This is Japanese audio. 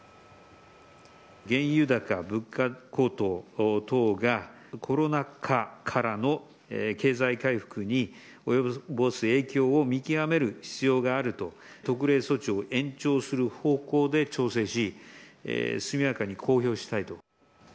原油高、物価高騰等がコロナ禍からの経済回復に及ぼす影響を見極める必要があると、特例措置を延長する方向で調整し、速やかに公表したいと。